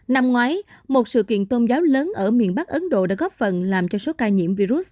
năm ngoái một sự kiện tôn giáo lớn ở miền bắc ấn độ đã góp phần làm cho số ca nhiễm virus